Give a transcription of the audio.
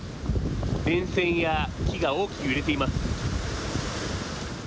電線や木が大きく揺れています。